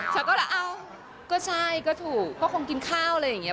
ฉันก็แหละเอ้าก็ใช่ก็ถูกก็คงกินข้าวอะไรอย่างเงี้ย